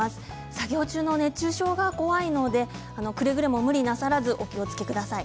作業中の熱中症が怖いのでくれぐれも無理なさらずお気をつけください。